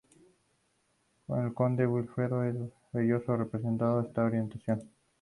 El conde Wifredo el Velloso representó esta orientación.